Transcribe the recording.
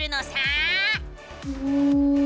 うん。